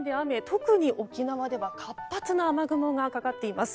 特に沖縄では活発な雨雲がかかっています。